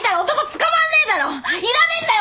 いらねえんだよ